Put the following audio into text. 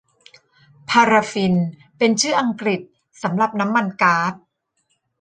พาราฟินเป็นชื่ออังกฤษสำหรับน้ำมันก๊าด